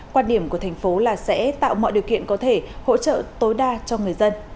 quan điểm của thành phố là sẽ tạo mọi điều kiện có thể hỗ trợ tối đa cho người dân